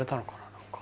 何か。